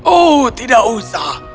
oh tidak usah